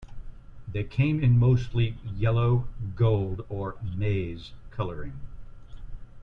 They came in mostly yellow, gold, or maize coloring.